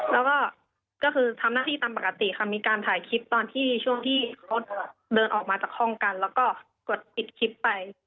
แล้วก็ก็คือทำหน้าที่ตามปกติค่ะมีการถ่ายคลิปตอนที่ช่วงที่เขาเดินออกมาจากห้องกันแล้วก็กดปิดคลิปไป